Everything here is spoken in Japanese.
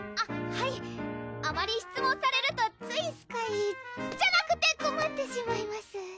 はいあまり質問されるとついスカイじゃなくてこまってしまいます